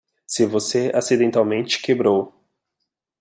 Se você acidentalmente quebrou